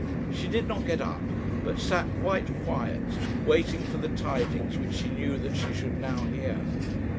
She did not get up, but sat quite quiet, waiting for the tidings which she knew that she should now hear.